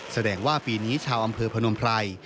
แสดงว่าปีนี้ชาวอำเภอพนมไพร